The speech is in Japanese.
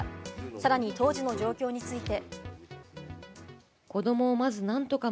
さらに当時の状況について。